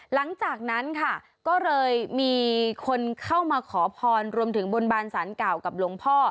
หลังจากนั้นค่ะก็เลยมีคนเข้ามาขอพรรวมถึงบนบานสารเก่ากับหลวงพ่อ